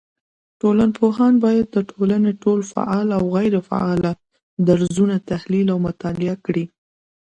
ټولنپوهان بايد د ټولني ټول فعال او غيري فعاله درځونه تحليل او مطالعه کړي